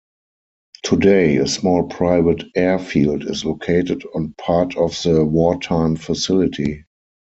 Today, a small private airfield is located on part of the wartime facility.